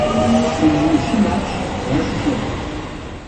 Elle joue six matches et inscrit un but.